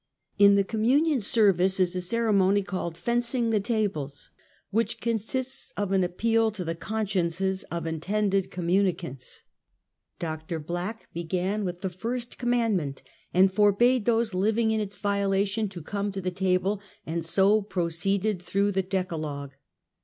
In the communion service is a ceremony called "fencing the tables," which consists of an appeal to the consciences of intended communicants. Dr. Black be gan with the first commandment and forbade those living in its violation to come to the table, and so pro ceeded through the decalogue.